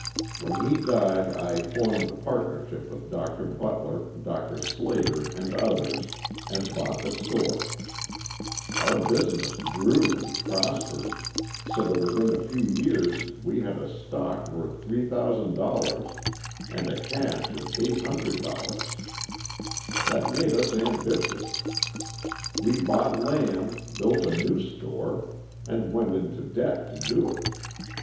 When he died I formed a partnership with Dr. Butler, Dr. Slater, and others, and bought the store. Our business grew and prospered, so that within a few years we had a stock worth $3,000, and cash of $800. That made us ambitious. We bought land, built a new store, and went into debt to do it.